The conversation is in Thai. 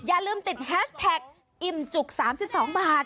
อย่าลืมติดแฮชแท็กอิ่มจุก๓๒บาท